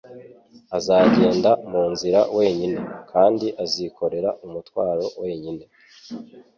Azagenda mu nzira wenyine, kandi azikorera umutwaro wenyine.